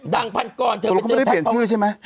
ดังพันกรเขาไม่ได้เปลี่ยนชื่อใช่ไหม